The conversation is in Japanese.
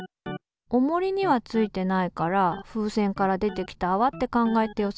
おもりにはついてないから風船から出てきたあわって考えてよさそうだよね。